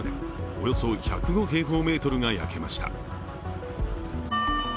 およそ１０５平方メートルが焼けました。